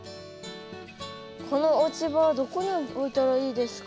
この落ち葉はどこに置いたらいいですか？